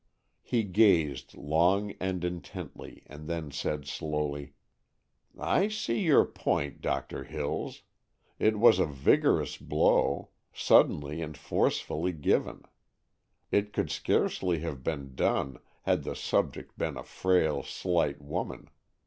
He gazed long and intently, and then said, slowly: "I see your point, Doctor Hills. It was a vigorous blow, suddenly and forcefully given. It could scarcely have been done, had the subject been a frail, slight woman.